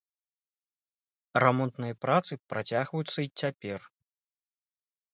Рамонтныя працы працягваюцца й цяпер.